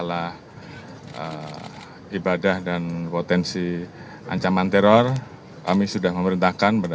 laporan komandan ap